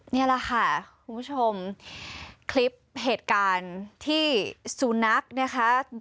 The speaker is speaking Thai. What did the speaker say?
นี่แหละค่ะคุณผู้ชมคลิปเหตุการณ์ที่สุนัขนะคะ